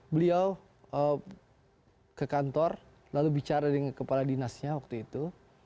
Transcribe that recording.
beliau ke kantor lalu bicara dengan kepala dinasnya waktu itu